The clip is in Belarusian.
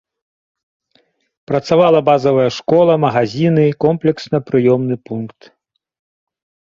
Працавала базавая школа, магазіны, комплексна-прыёмны пункт.